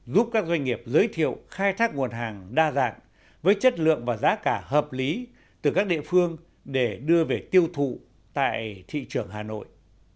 giúp các doanh nghiệp giới thiệu khai thác nguồn hàng đa dạng với chất lượng và giá cả hợp lý từ các địa phương để đưa về tiêu thụ tại thị trường hà nội